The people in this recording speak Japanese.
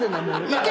行け！